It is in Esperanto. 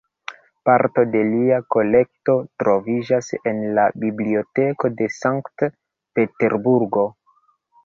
Parto de lia kolekto troviĝas en la Biblioteko de Sankt-Peterburgo.